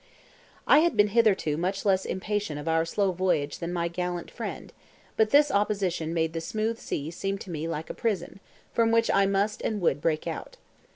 I had been hitherto much less impatient of our slow voyage than my gallant friend, but this opposition made the smooth sea seem to me like a prison, from which I must and would break out.